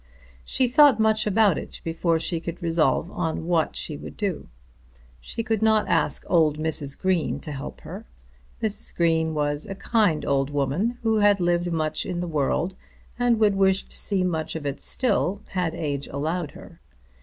She thought much about it before she could resolve on what she would do. She could not ask old Mrs. Green to help her. Mrs. Green was a kind old woman, who had lived much in the world, and would wish to see much of it still, had age allowed her.